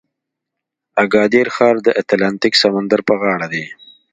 اګادیر ښار د اتلانتیک سمندر په غاړه دی.